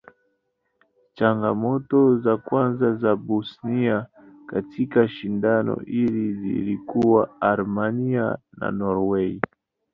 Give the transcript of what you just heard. Changamoto za kwanza za Bosnia katika shindano hili zilikuwa Armenia na Norway.